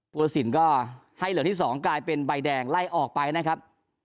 รสินก็ให้เหลืองที่๒กลายเป็นใบแดงไล่ออกไปนะครับ